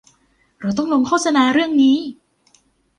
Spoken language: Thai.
เราต้องลงโฆษณาเรื่องนี้